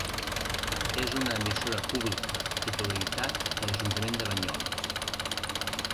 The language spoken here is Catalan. És una emissora pública, titularitat de l'Ajuntament de Banyoles.